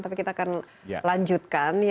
tapi kita akan lanjutkan